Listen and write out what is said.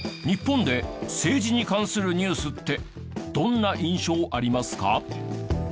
日本で政治に関するニュースってどんな印象ありますか？